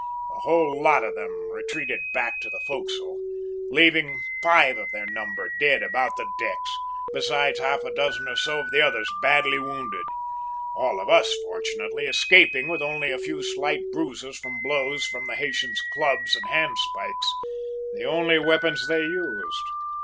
The whole lot of them retreated back to the forecastle, leaving five of their number dead about the decks, besides half a dozen or so of the others badly wounded; all of us, fortunately, escaping with only a few slight bruises from blows from the Haytian's clubs and hand spikes the only weapons they used.